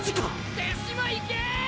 手嶋行け！